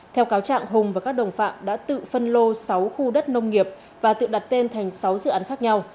theo cáo trạng hùng và các đồng phạm đã tự phân lô sáu khu đất nông nghiệp và tự đặt tên thành sáu dự án khác nhau